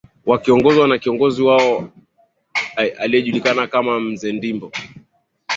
wakiongozwa na kiongozi wao ajulikanaye kama Mzee Mndimbo